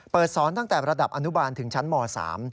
สอนตั้งแต่ระดับอนุบาลถึงชั้นม๓